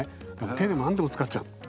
手でも何でも使っちゃう。